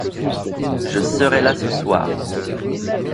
Je serai là ce soir.